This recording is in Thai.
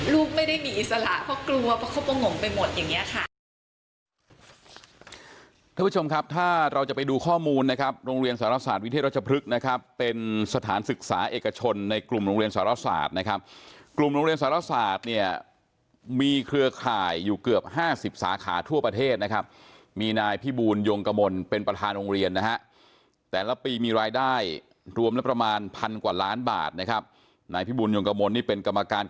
ลูกไม่ได้มีอิสระเพราะกลัวเพราะเขาก็งงไปหมดอย่างนี้ค่ะ